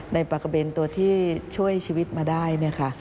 ในปลากระเบนตัวที่ช่วยชีวิตมาได้